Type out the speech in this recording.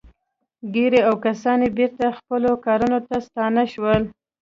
ګیري او کسان یې بېرته خپلو کارونو ته ستانه شول